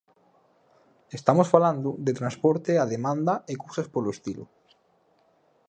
Estamos falando de transporte a demanda e cousas polo estilo.